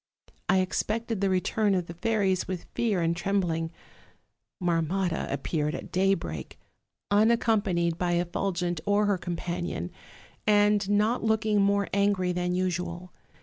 "I expected the return of the fairies with fear and trembling. Marmotta appeared at daybreak, unaccom panied by Effulgent or her companion, and not looking more angry than usual.